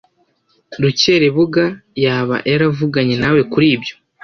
Rukeribuga yaba yaravuganye nawe kuri ibyo?